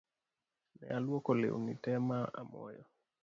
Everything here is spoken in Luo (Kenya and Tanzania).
Ne aluoko leuni tee ma amoyo